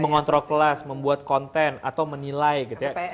mengontrol kelas membuat konten atau menilai gitu ya